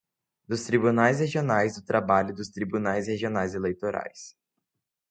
dos Tribunais Regionais do Trabalho e dos Tribunais Regionais Eleitorais